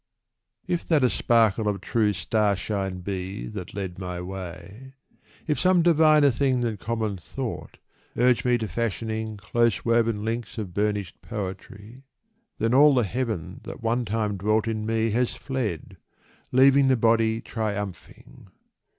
If that a sparkle of true starshine be That led my way; if some diviner thing Than common thought urged me to fashioning Close woven links of burnished poetry; Then all the heaven that one time dwelt in me Has fled, leaving the body triumphing.